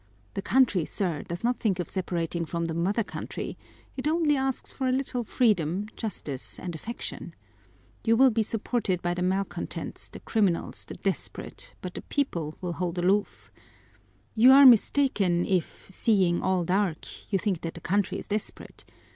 The country, sir, does not think of separating from the mother country; it only asks for a little freedom, justice, and affection. You will be supported by the malcontents, the criminals, the desperate, but the people will hold aloof. You are mistaken if, seeing all dark, you think that the country is desperate.